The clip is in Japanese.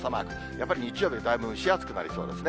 やっぱり日曜日、だいぶ蒸し暑くなりそうですね。